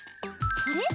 あれ？